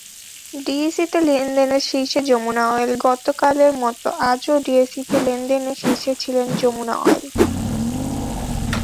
ডিএসইতে লেনদেনে শীর্ষে যমুনা অয়েলগতকালের মতো আজও ডিএসইতে লেনদেনে শীর্ষে ছিল যমুনা অয়েল।